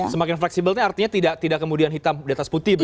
semakin fleksibel ini artinya tidak kemudian hitam di atas putih begitu